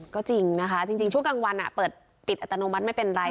ก็จริงนะคะจริงช่วงกลางวันเปิดปิดอัตโนมัติไม่เป็นไร